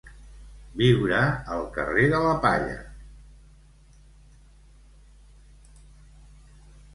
Viure al carrer de la Palla.